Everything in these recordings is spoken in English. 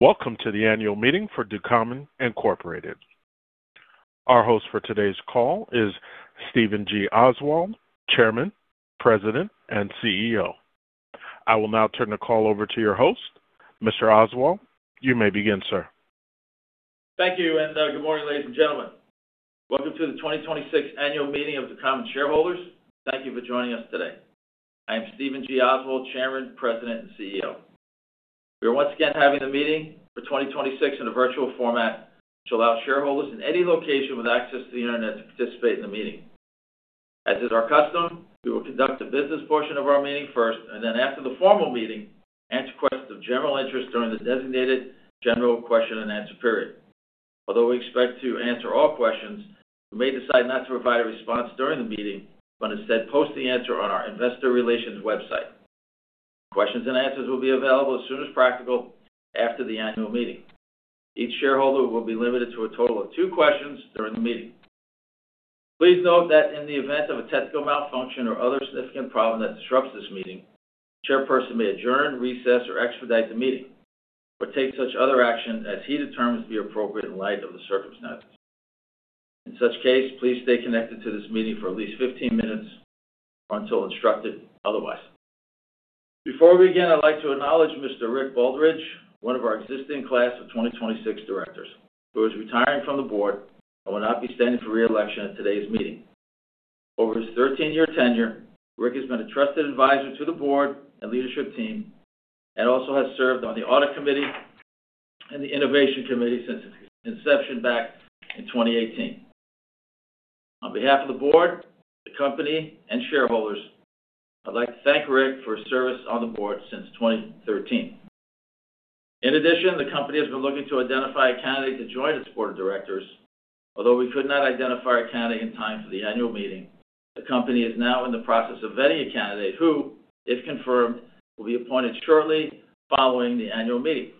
Welcome to the Annual Meeting for Ducommun Incorporated. Our host for today's call is Stephen G. Oswald, Chairman, President, and CEO. I will now turn the call over to your host. Mr. Oswald, you may begin, sir. Thank you. Good morning, ladies and gentlemen. Welcome to the 2026 Annual Meeting of Ducommun Shareholders. Thank you for joining us today. I am Stephen G. Oswald, Chairman, President, and CEO. We are once again having the meeting for 2026 in a virtual format to allow shareholders in any location with access to the Internet to participate in the meeting. As is our custom, we will conduct the business portion of our meeting first, and then after the formal meeting, answer questions of general interest during the designated general question-and-answer period. Although we expect to answer all questions, we may decide not to provide a response during the meeting, but instead post the answer on our Investor Relations website. Questions and answers will be available as soon as practical after the annual meeting. Each shareholder will be limited to a total of two questions during the meeting. Please note that in the event of a technical malfunction or other significant problem that disrupts this meeting, the chairperson may adjourn, recess, or expedite the meeting or take such other action as he determines to be appropriate in light of the circumstances. In such case, please stay connected to this meeting for at least 15 minutes or until instructed otherwise. Before we begin, I'd like to acknowledge Mr. Rick Baldridge, one of our existing class of 2026 directors, who is retiring from the Board and will not be standing for re-election at today's meeting. Over his 13-year tenure, Rick has been a trusted advisor to the Board and leadership team and also has served on the Audit Committee and the Innovation Committee since its inception back in 2018. On behalf of the Board, the company, and shareholders, I'd like to thank Rick for his service on the Board since 2013. In addition, the company has been looking to identify a candidate to join its Board of Directors. Although we could not identify a candidate in time for the annual meeting, the company is now in the process of vetting a candidate who, if confirmed, will be appointed shortly following the annual meeting.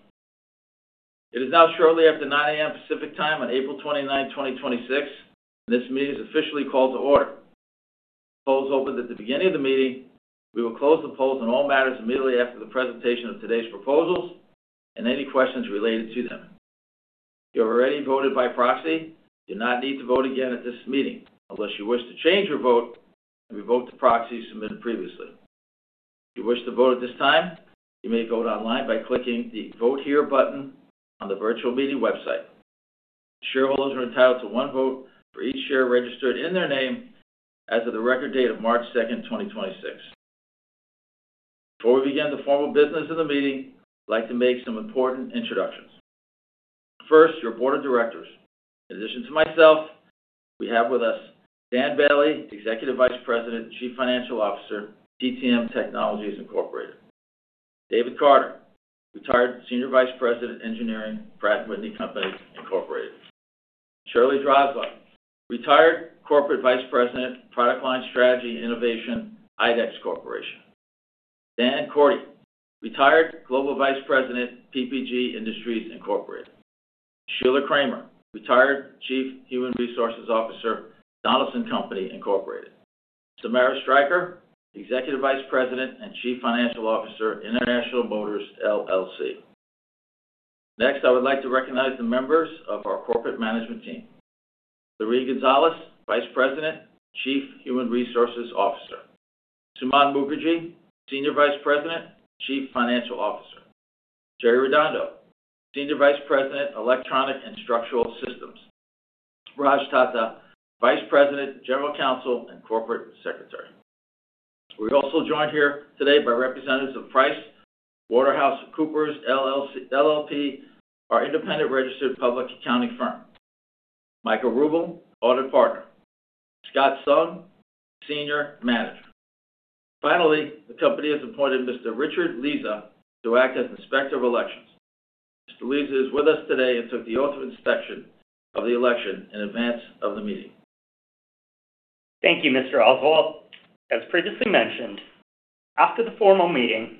It is now shortly after 9:00 A.M. Pacific Time on April 29th, 2026, and this meeting is officially called to order. Polls opened at the beginning of the meeting. We will close the polls on all matters immediately after the presentation of today's proposals and any questions related to them. If you have already voted by proxy, you do not need to vote again at this meeting unless you wish to change your vote and revoke the proxy submitted previously. If you wish to vote at this time, you may vote online by clicking the Vote Here button on the virtual meeting website. Shareholders are entitled to one vote for each share registered in their name as of the record date of March second, 2026. Before we begin the formal business of the meeting, I'd like to make some important introductions. First, your Board of Directors. In addition to myself, we have with us Dan Boehle, Executive Vice President, Chief Financial Officer, TTM Technologies, Incorporated, David Carter, Retired Senior Vice President, Engineering, Pratt & Whitney Company Incorporated. Shirley Drazba, Retired Corporate Vice President, Product Line Strategy Innovation, IDEX Corporation. Dan Korte, Retired Global Vice President, PPG Industries, Incorporated. Sheila Kramer, Retired Chief Human Resources Officer, Donaldson Company, Incorporated. Samara Strycker, Executive Vice President and Chief Financial Officer, International Motors, LLC. Next, I would like to recognize the members of our corporate management team. Laureen Gonzalez, Vice President, Chief Human Resources Officer. Suman Mookerji, Senior Vice President, Chief Financial Officer. Jerry Redondo, Senior Vice President, Electronic and Structural Systems. Raj Tata, Vice President, General Counsel, and Corporate Secretary. We're also joined here today by representatives of PricewaterhouseCoopers, LLP, our independent registered public accounting firm. Michael Ruble, Audit Partner. Scott Sung, Senior Manager. Finally, the company has appointed Mr. Richard Leza to act as Inspector of Elections. Mr. Leza is with us today and took the oath of inspection of the election in advance of the meeting. Thank you, Mr. Oswald. As previously mentioned, after the formal meeting,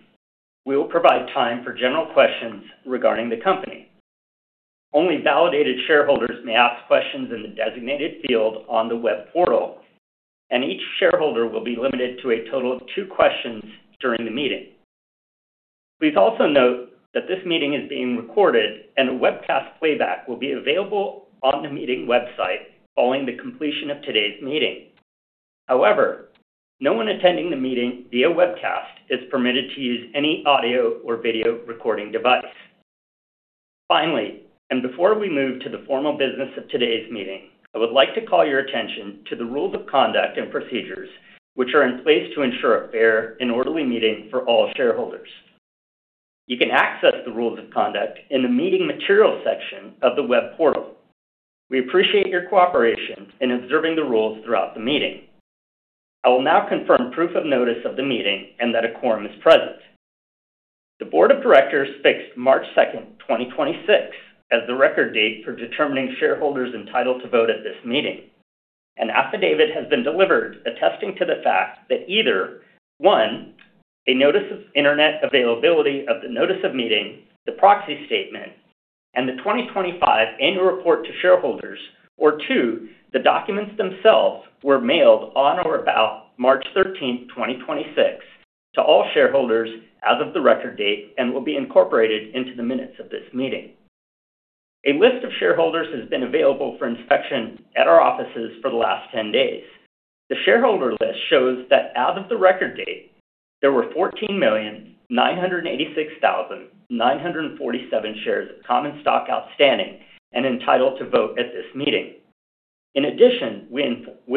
we will provide time for general questions regarding the company. Only validated shareholders may ask questions in the designated field on the web portal, and each shareholder will be limited to a total of two questions during the meeting. Please also note that this meeting is being recorded, and a webcast playback will be available on the meeting website following the completion of today's meeting. However, no one attending the meeting via webcast is permitted to use any audio or video recording device. Finally, before we move to the formal business of today's meeting, I would like to call your attention to the rules of conduct and procedures which are in place to ensure a fair and orderly meeting for all shareholders. You can access the rules of conduct in the Meeting Materials section of the web portal. We appreciate your cooperation in observing the rules throughout the meeting. I will now confirm proof of notice of the meeting and that a quorum is present. The board of directors fixed March 2nd, 2026 as the record date for determining shareholders entitled to vote at this meeting. An affidavit has been delivered attesting to the fact that either, one, a notice of internet availability of the notice of meeting, the proxy statement, and the 2025 annual report to shareholders, or two, the documents themselves were mailed on or about March 13th, 2026 to all shareholders as of the record date and will be incorporated into the minutes of this meeting. A list of shareholders has been available for inspection at our offices for the last 10 days. The shareholder list shows that out of the record date, there were 14,986,947 shares of common stock outstanding and entitled to vote at this meeting. In addition, we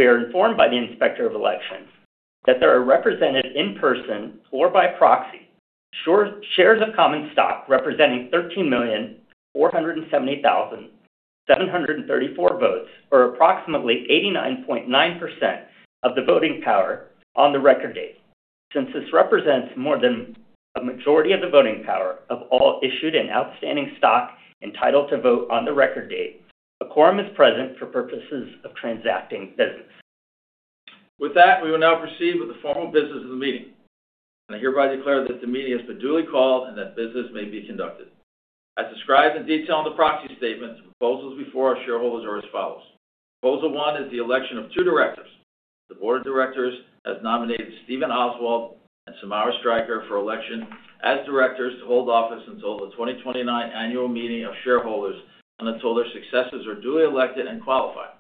are informed by the Inspector of Elections that there are represented in person or by proxy shares of common stock representing 13,470,734 votes, or approximately 89.9% of the voting power on the record date. This represents more than a majority of the voting power of all issued and outstanding stock entitled to vote on the record date, a quorum is present for purposes of transacting business. With that, we will now proceed with the formal business of the meeting. I hereby declare that the meeting has been duly called and that business may be conducted. As described in detail in the proxy statement, the proposals before our shareholders are as follows. Proposal one is the election of two directors. The Board of Directors has nominated Stephen Oswald and Samara Strycker for election as directors to hold office until the 2029 annual meeting of shareholders, and until their successors are duly elected and qualified.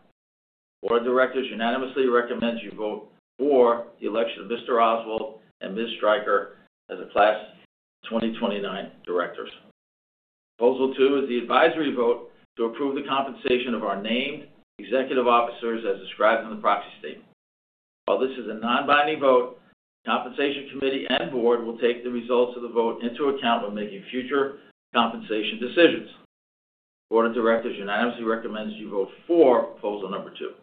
Board of Directors unanimously recommends you vote for the election of Mr. Oswald and Ms. Strycker as a Class 2029 Directors. Proposal two is the advisory vote to approve the compensation of our named executive officers as described in the proxy statement. While this is a non-binding vote, compensation committee and Board will take the results of the vote into account when making future compensation decisions. Board of Directors unanimously recommends you vote for proposal number two.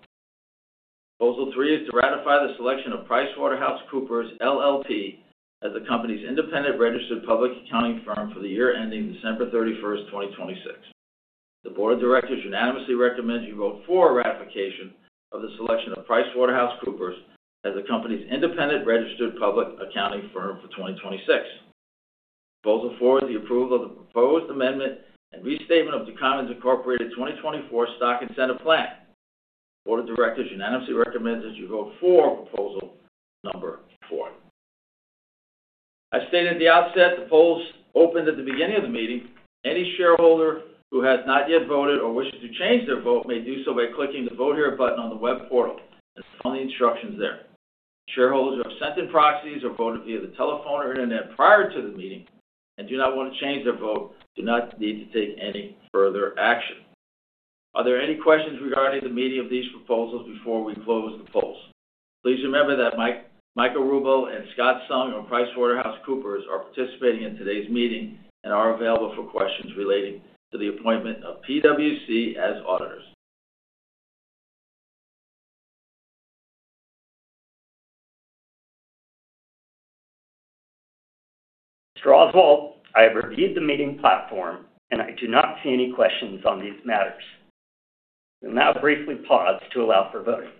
Proposal three is to ratify the selection of PricewaterhouseCoopers, LLP as the company's independent registered public accounting firm for the year ending December 31st, 2026. The Board of Directors unanimously recommends you vote for ratification of the selection of PricewaterhouseCoopers as the company's independent registered public accounting firm for 2026. Proposal four is the approval of the proposed amendment and restatement of Ducommun Incorporated's 2024 stock incentive plan. Board of Directors unanimously recommends that you vote for proposal number four. As stated at the outset, the polls opened at the beginning of the meeting. Any shareholder who has not yet voted or wishes to change their vote may do so by clicking the Vote Here button on the web portal as per the instructions there. Shareholders who have sent in proxies or voted via the telephone or internet prior to the meeting and do not want to change their vote do not need to take any further action. Are there any questions regarding the meeting of these proposals before we close the polls? Please remember that Michael Ruble and Scott Sung of PricewaterhouseCoopers are participating in today's meeting and are available for questions relating to the appointment of PwC as auditors. Mr. Oswald, I have reviewed the meeting platform, and I do not see any questions on these matters. We'll now briefly pause to allow for voting.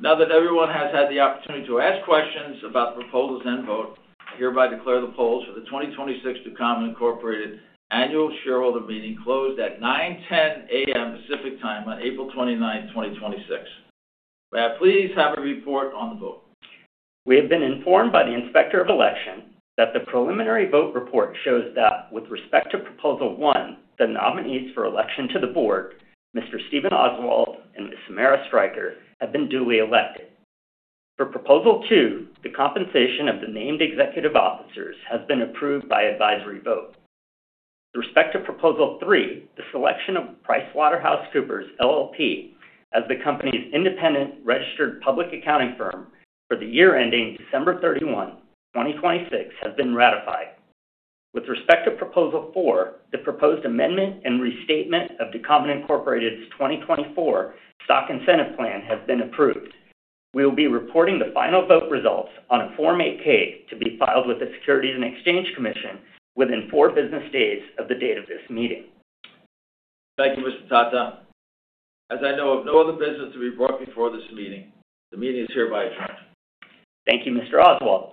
Now that everyone has had the opportunity to ask questions about the proposals and vote, I hereby declare the polls for the 2026 Ducommun Incorporated annual shareholder meeting closed at 9:10 A.M. Pacific Time on April 29th, 2026. May I please have a report on the vote? We have been informed by the Inspector of Election that the preliminary vote report shows that with respect to proposal one, the nominees for election to the board, Mr. Stephen G. Oswald and Ms. Samara A. Strycker, have been duly elected. For proposal two, the compensation of the named executive officers has been approved by advisory vote. With respect to proposal three, the selection of PricewaterhouseCoopers, LLP as the company's independent registered public accounting firm for the year ending December 31, 2026 have been ratified. With respect to proposal four, the proposed amendment and restatement of Ducommun Incorporated's 2024 stock incentive plan has been approved. We will be reporting the final vote results on a Form 8-K to be filed with the Securities and Exchange Commission within four business days of the date of this meeting. Thank you, Mr. Tata. As I know of no other business to be brought before this meeting, the meeting is hereby adjourned. Thank you, Mr. Oswald.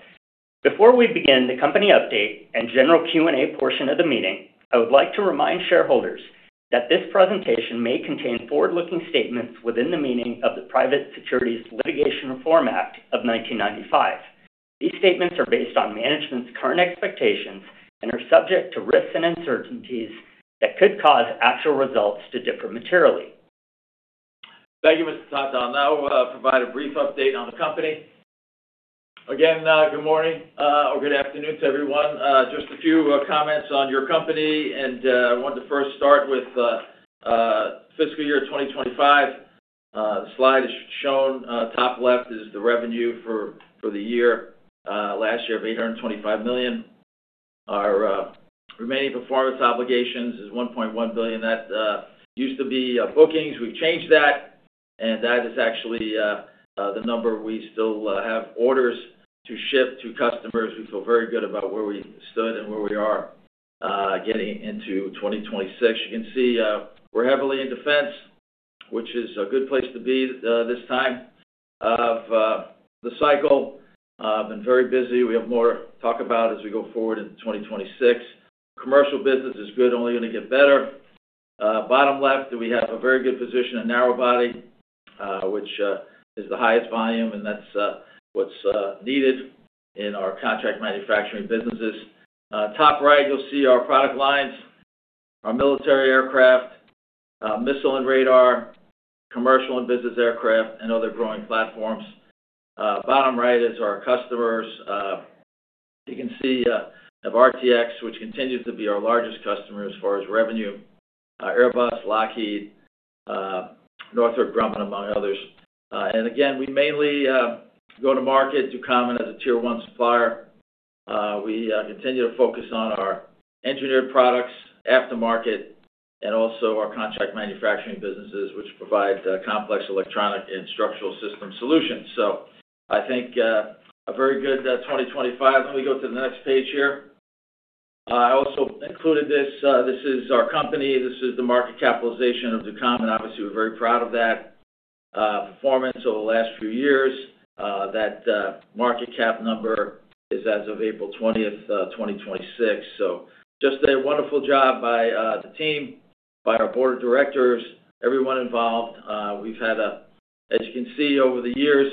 Before we begin the company update and general Q&A portion of the meeting, I would like to remind shareholders that this presentation may contain forward-looking statements within the meaning of the Private Securities Litigation Reform Act of 1995. These statements are based on management's current expectations and are subject to risks and uncertainties that could cause actual results to differ materially. Thank you, Mr. Tata. I'll now provide a brief update on the company. Again, good morning, or good afternoon to everyone. Just a few comments on your company, I want to first start with fiscal year 2025. The slide is shown. Top left is the revenue for the year, last year of $825 million. Our Remaining Performance Obligations is $1.1 billion. That used to be bookings. We've changed that, and that is actually the number we still have orders to ship to customers. We feel very good about where we stood and where we are getting into 2026. You can see, we're heavily in defense. Which is a good place to be this time of the cycle. Been very busy. We have more to talk about as we go forward into 2026. Commercial business is good, only gonna get better. Bottom left, that we have a very good position in narrow-body, which is the highest volume, and that's what's needed in our contract manufacturing businesses. Top right, you'll see our product lines, our military aircraft, missile and radar, commercial and business aircraft, and other growing platforms. Bottom right is our customers. You can see of RTX, which continues to be our largest customer as far as revenue. Airbus, Lockheed, Northrop Grumman, among others. And again, we mainly go to market Ducommun as a tier one supplier. We continue to focus on our Engineered Products aftermarket and also our contract manufacturing businesses, which provide complex Electronic and Structural Systems solutions. I think a very good 2025. Let me go to the next page here. I also included this. This is our company. This is the market capitalization of Ducommun. Obviously, we're very proud of that performance over the last few years. That market cap number is as of April 20th, 2026. Just a wonderful job by the team, by our Board of Directors, everyone involved. As you can see over the years,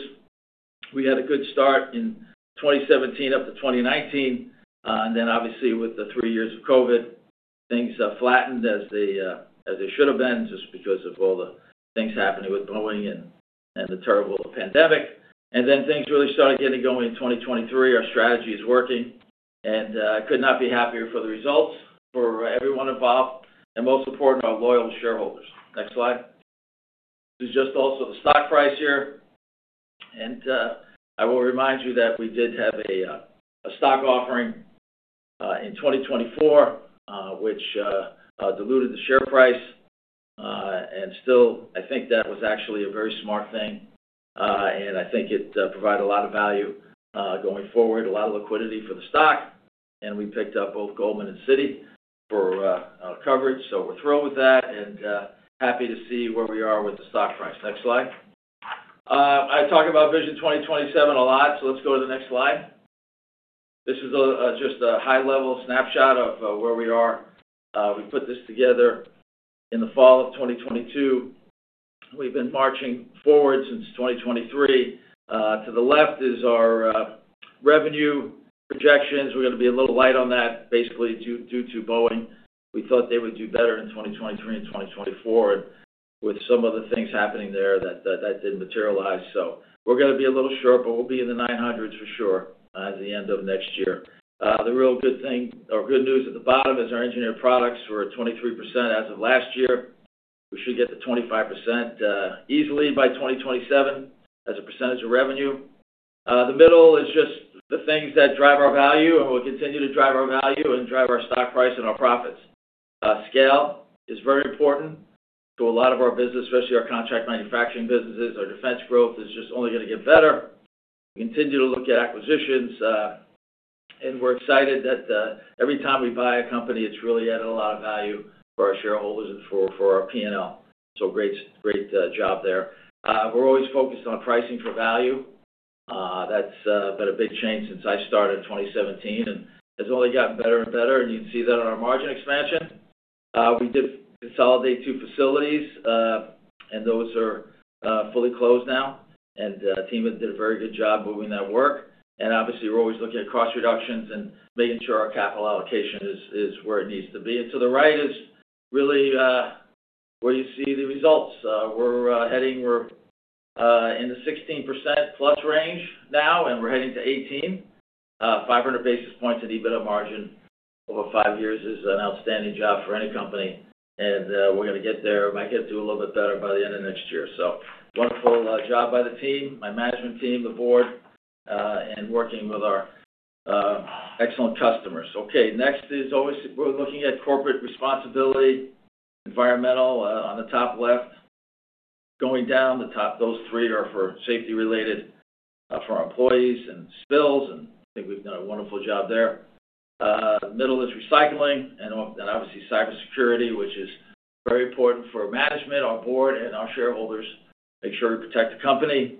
we had a good start in 2017 up to 2019. And then obviously with the three years of COVID, things flattened as they as they should have been just because of all the things happening with Boeing and the terrible pandemic. Things really started getting going in 2023. Our strategy is working, could not be happier for the results for everyone involved, and most important, our loyal shareholders. Next slide. This is just also the stock price here. I will remind you that we did have a stock offering in 2024, which diluted the share price. Still, I think that was actually a very smart thing. I think it provided a lot of value going forward, a lot of liquidity for the stock. We picked up both Goldman Sachs and Citi for coverage. We're thrilled with that and happy to see where we are with the stock price. Next slide. I talk about Vision 2027 a lot, let's go to the next slide. This is just a high-level snapshot of where we are. We put this together in the fall of 2022. We've been marching forward since 2023. To the left is our revenue projections. We're gonna be a little light on that basically due to Boeing. We thought they would do better in 2023 and 2024 with some of the things happening there that didn't materialize. We're gonna be a little short, but we'll be in the $900s for sure at the end of next year. The real good thing or good news at the bottom is our engineered products were at 23% as of last year. We should get to 25% easily by 2027 as a percentage of revenue. The middle is just the things that drive our value, and will continue to drive our value and drive our stock price and our profits. Scale is very important to a lot of our business, especially our contract manufacturing businesses. Our defense growth is just only gonna get better. We continue to look at acquisitions, and we're excited that every time we buy a company, it's really added a lot of value for our shareholders and for our P&L. Great, great job there. We're always focused on pricing for value. That's been a big change since I started in 2017 and has only gotten better and better, and you can see that on our margin expansion. We did consolidate two facilities, and those are fully closed now. Team has did a very good job moving that work. Obviously, we're always looking at cost reductions and making sure our capital allocation is where it needs to be. To the right is really where you see the results. We're in the 16% plus range now, and we're heading to 18%. 500 basis points of EBITDA margin over five years is an outstanding job for any company. We're gonna get there. Might get to a little bit better by the end of next year. Wonderful job by the team, my management team, the board, and working with our excellent customers. Next is always we're looking at corporate responsibility, environmental, on the top left. Going down the top, those three are for safety related for our employees and spills. I think we've done a wonderful job there. Middle is recycling and obviously cybersecurity, which is very important for management, our board, and our shareholders. Make sure we protect the company.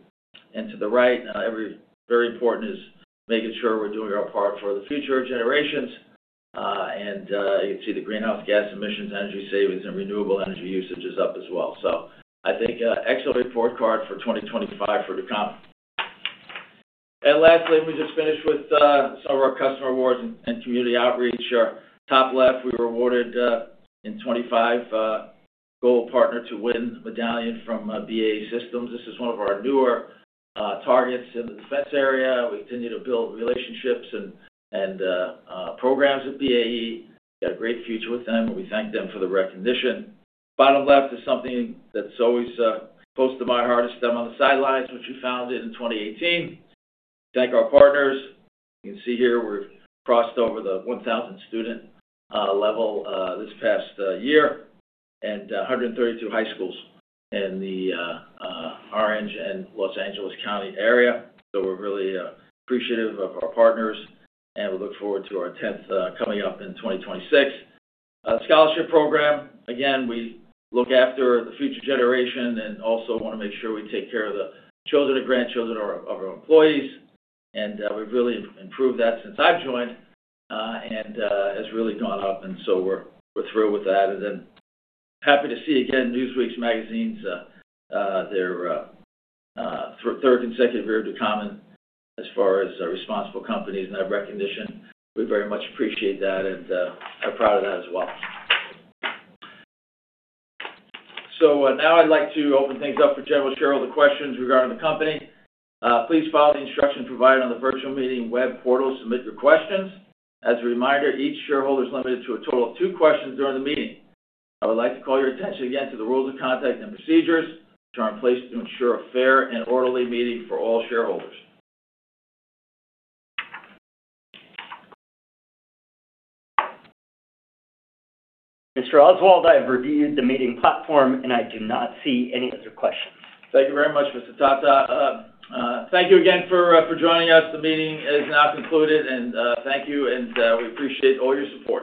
To the right, very important is making sure we're doing our part for the future generations. You can see the greenhouse gas emissions, energy savings, and renewable energy usage is up as well. I think excellent report card for 2025 for Ducommun. Lastly, we just finished with some of our customer awards and community outreach. Our top left, we were awarded in 2025 a Gold Partner to Win Medallion from BAE Systems. This is one of our newer targets in the defense area. We continue to build relationships and programs at BAE. Got a great future with them. We thank them for the recognition. Bottom left is something that's always close to my heart, STEM on the Sidelines, which we founded in 2018. Thank our partners. You can see here we've crossed over the 1,000 student level this past year. 132 high schools in the Orange and Los Angeles County area. We're really appreciative of our partners. We look forward to our 10th coming up in 2026. Scholarship program. Again, we look after the future generation and also wanna make sure we take care of the children or grandchildren of our employees. We've really improved that since I've joined. It's really gone up, we're thrilled with that. Happy to see again Newsweek's magazines, their third consecutive year at Ducommun as far as responsible companies and that recognition. We very much appreciate that and are proud of that as well. Now I'd like to open things up for general shareholder questions regarding the company. Please follow the instructions provided on the virtual meeting web portal to submit your questions. As a reminder, each shareholder is limited to a total of two questions during the meeting. I would like to call your attention again to the rules of conduct and procedures which are in place to ensure a fair and orderly meeting for all shareholders. Mr. Oswald, I have reviewed the meeting platform, and I do not see any other questions. Thank you very much, Mr. Tata. Thank you again for for joining us. The meeting is now concluded, thank you, we appreciate all your support.